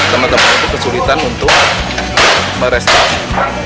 teman teman itu kesulitan untuk merespos